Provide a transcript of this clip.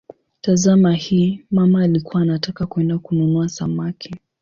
Tazama hii: "mama alikuwa anataka kwenda kununua samaki".